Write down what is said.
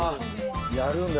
やるんだ